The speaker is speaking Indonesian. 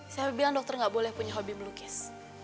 siapa bilang dokter gak boleh punya hobi melukis